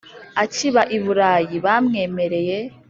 Akiba i Bulayi bamwemereye